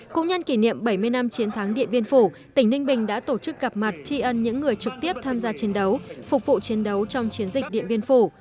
cũng nhân kỷ niệm bảy mươi năm chiến thắng điện biên phủ tỉnh ninh bình đã tổ chức gặp mặt tri ân những người trực tiếp tham gia chiến đấu phục vụ chiến đấu trong chiến dịch điện biên phủ